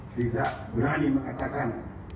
tidak berani mengatakan